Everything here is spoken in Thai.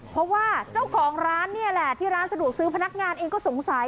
เพราะว่าเจ้าของร้านนี่แหละที่ร้านสะดวกซื้อพนักงานเองก็สงสัย